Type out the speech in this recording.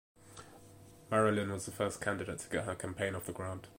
Marilyn was the first candidate to get her campaign off the ground.